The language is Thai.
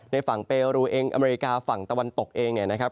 ในฝั่งเปรูเองอเมริกาฝั่งตะวันตกเองเนี่ยนะครับ